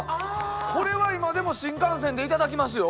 これは今でも新幹線でいただきますよ。